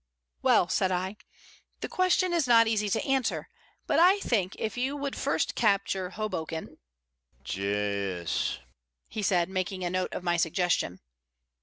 "Well," said I, "the question is not easy to answer, but I think if you would first capture Hoboken " "Yes," he said, making a note of my suggestion.